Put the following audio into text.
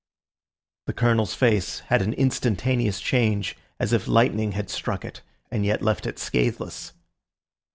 The Colonel's face had an instantaneous change, as if lightning had struck it, and yet left it scatheless.